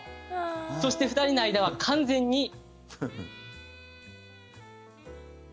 そして２人の間は完全に。